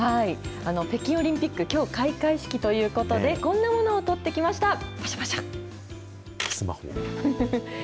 北京オリンピック、きょう、開会式ということで、こんなものを撮ってきました。